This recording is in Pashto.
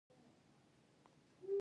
د کچالو ګل د څه لپاره وکاروم؟